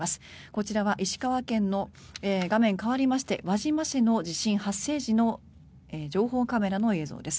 こちらは石川県の画面、代わりまして輪島市の地震発生時の情報カメラの映像です。